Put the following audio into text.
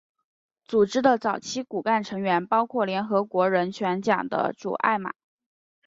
组织的早期骨干成员包括联合国人权奖得主艾玛。